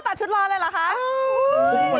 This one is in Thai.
ตัดชุดร้อนแล้วเหรอคะ